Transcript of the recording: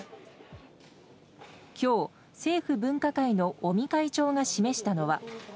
きょう、政府分科会の尾身会長が示したのは。